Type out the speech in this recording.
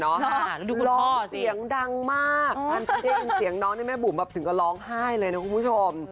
ลองเสียงดังมากทันเต้นเสียงน้องแม่บุ๋มถึงก็ร้องไห้เลยนะคุณผู้ชม